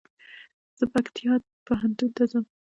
زه پکتيا پوهنتون ته ځم